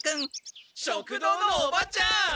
食堂のおばちゃん！